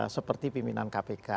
seperti pimpinan kpk